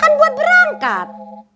kan buat berangkat